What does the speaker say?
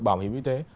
bảo hiểm y tế